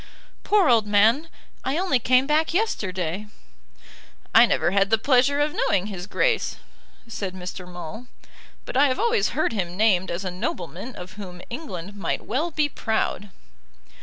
"Poor old man! I only came back yesterday." "I never had the pleasure of knowing his Grace," said Mr. Maule. "But I have always heard him named as a nobleman of whom England might well be proud."